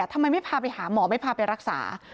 ทำไมไม่พาไปหาหมอไม่พาไปรักษา